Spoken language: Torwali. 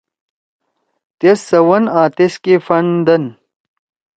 تیس سَون آں تیس کے فنڈز دن۔